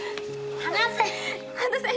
離せ！